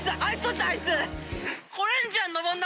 あいつ！